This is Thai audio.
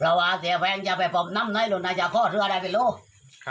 เพราะว่าเสียแป้งจะไปปุ๊บน้ำไหนล่ะน่าจะข้อเสื้ออะไรไปเลย